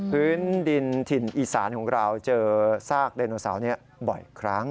พื้นดินถิ่นอีสานของเราเจอซากไดโนเสาร์นี้บ่อยครั้ง